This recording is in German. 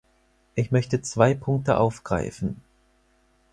Ich möchte zwei Punkte aufgreifen.